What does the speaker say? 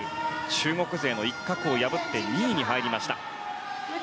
中国勢の一角を破って２位に入りました。